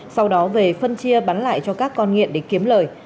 sau đó về phân chia bán lại cho các con nghiện để kiếm lời